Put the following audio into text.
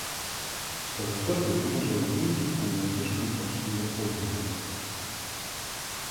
Для настолько кринжовой книги у неё слишком плохие отзывы.